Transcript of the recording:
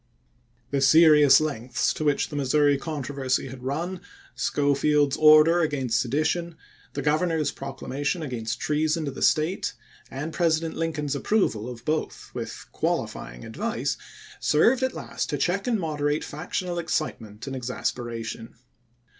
The serious lengths to which the Missouri con troversy had run, Schofield's order against sedition, the Governor's proclamation against treason to the State, and President Lincoln's approval of both MISSOUEI RADICALS AND CONSERVATIVES 229 witli qualifying advice, served at last to check and chap.viii. moderate factional excitement and exasperation.